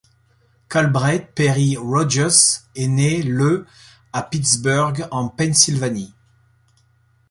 Calbraith Perry Rodgers est né le à Pittsburgh en Pennsylvanie.